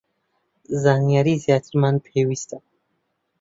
زانیاری زیاترمان پێویستە